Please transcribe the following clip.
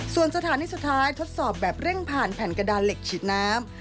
ส่วนสถานที่สุดท้ายทดสอบแบบเร่งผ่านแผ่นกระดานเหล็กฉีดน้ำ